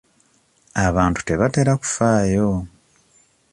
Abantu tebatera kufaayo.